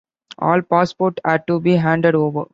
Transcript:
All passports had to be handed over.